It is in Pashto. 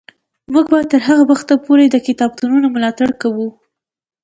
موږ به تر هغه وخته پورې د کتابتونونو ملاتړ کوو.